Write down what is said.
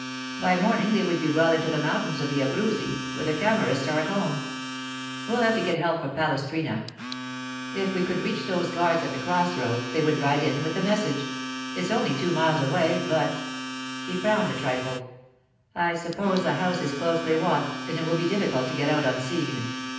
By morning they would be well into the mountains of the Abruzzi, where the Camorrists are at home. We'll have to get help from Palestrina. If we could reach those guards at the cross roads, they would ride in with the message. It's only two miles away, but——' He frowned a trifle. 'I suppose the house is closely watched, and it will be difficult to get out unseen.